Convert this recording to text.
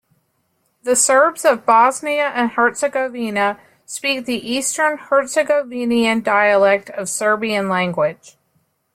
The Serbs of Bosnia and Herzegovina speak the Eastern Herzegovinian dialect of Serbian language.